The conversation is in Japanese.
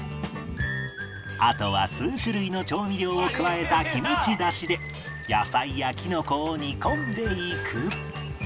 あとは数種類の調味料を加えたキムチだしで野菜やキノコを煮込んでいく